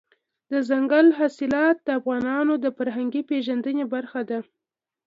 دځنګل حاصلات د افغانانو د فرهنګي پیژندنې برخه ده.